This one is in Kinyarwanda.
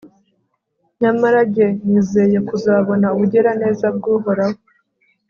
nyamara jye nizeye kuzabona ubugiraneza bw'uhoraho